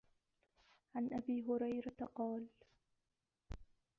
عَنْ أَبِي هُرَيْرَةَ قَالَ